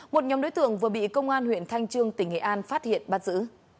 một nhóm đối tượng vừa bị công an huyện thanh trương tỉnh nghệ an phát hiện bắt giữ